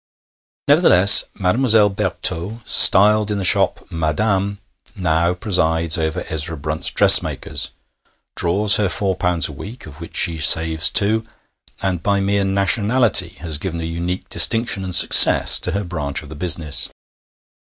Nevertheless, Mademoiselle Bertot styled in the shop 'Madame' now presides over Ezra Brunt's dressmakers, draws her four pounds a week (of which she saves two), and by mere nationality has given a unique distinction and success to her branch of the business.